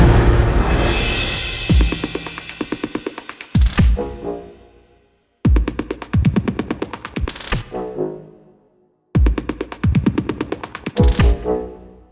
aku mau pergi ke rumah